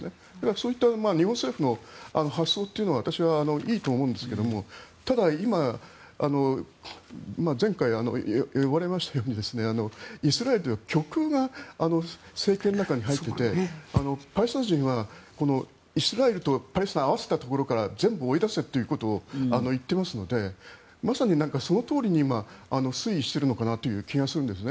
そういった日本政府の発想は私はいいと思うんですがただ今前回、呼ばれましたようにイスラエルというのは極右が政権の中に入っていてパレスチナ人はイスラエルとパレスチナ合わせたところから全部追い出せということを言ってますのでまさにそのとおりに今推移しているのかなという気がするんです。